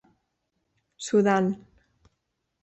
Sudan.